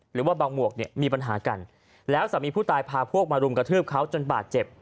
หรือว่าบางหมวกเนี่ยมีปัญหากันแล้วสามีผู้ตายพาพวกมารุมกระทืบเขาจนบาดเจ็บ